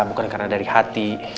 bukan karena dari hati